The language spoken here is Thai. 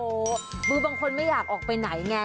คือบางคนไม่อยากออกไปไหนไง